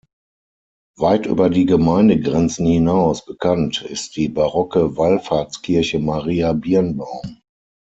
Weit über die Gemeindegrenzen hinaus bekannt ist die barocke Wallfahrtskirche Maria Birnbaum.